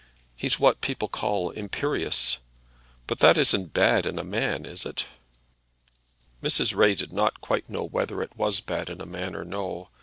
He's what people call imperious; but that isn't bad in a man, is it?" Mrs. Ray did not quite know whether it was bad in a man or no.